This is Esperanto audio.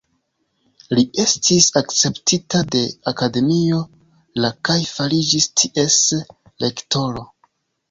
Li estis akceptita de Akademio la kaj fariĝis ties rektoro.